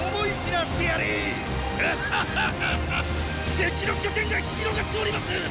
敵の拠点が広がっております！